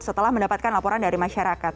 setelah mendapatkan laporan dari masyarakat